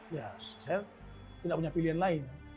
ya saya tidak punya pilihan lain